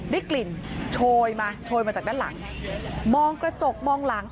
ได้กลิ่นโชยมาโชยมาจากด้านหลังมองกระจกมองหลัง